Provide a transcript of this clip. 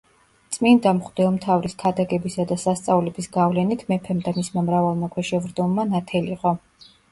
წმინდა მღვდელმთავრის ქადაგებისა და სასწაულების გავლენით მეფემ და მისმა მრავალმა ქვეშევრდომმა ნათელიღო.